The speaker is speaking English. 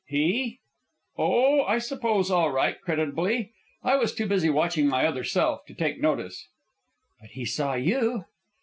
"He? .... Oh, I suppose all right, creditably. I was too busy watching my other self to take notice." "But he saw you."